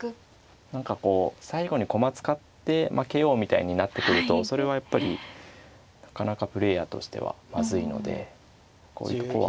何かこう最後に駒使って負けようみたいになってくるとそれはやっぱりなかなかプレーヤーとしてはまずいのでこういうとこは。